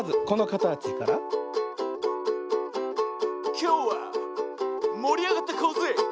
「きょうはもりあがっていこうぜ！」